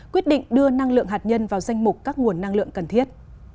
quyết định đưa năng lượng hạt nhân vào danh mục các nguồn năng lượng cần thiết